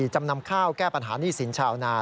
จำนำข้าวแก้ปัญหาหนี้สินชาวนา